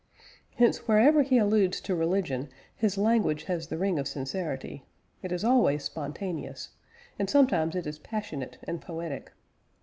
Hence wherever he alludes to religion his language has the ring of sincerity; it is always spontaneous, and sometimes it is passionate and poetic.